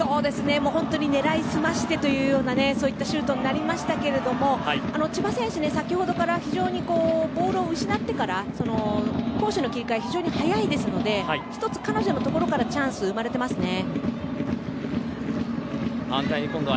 本当に狙い澄ましてというシュートになりましたが千葉選手、先ほどからボールを失ってから攻守の切り替えが非常に早いですので１つ彼女のところからチャンスが生まれていますね。